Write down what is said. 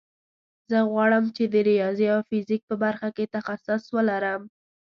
زه غواړم چې د ریاضي او فزیک په برخه کې تخصص ولرم